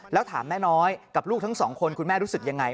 แล้วถามแม่น้อยกับลูกทั้งสองคนคุณแม่รู้สึกยังไง